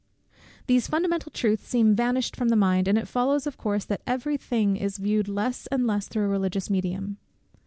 These fundamental truths seem vanished from the mind, and it follows of course, that every thing is viewed less and less through a religious medium.